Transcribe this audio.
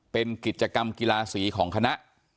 เป็นกิจกรรมกีฬาสีของคณะ